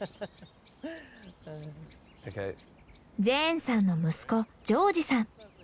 ジェーンさんの息子ジョージさん。